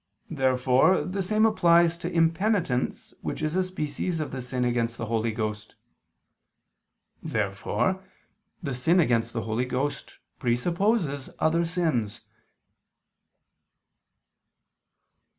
Therefore the same applies to impenitence which is a species of the sin against the Holy Ghost. Therefore the sin against the Holy Ghost presupposes other sins.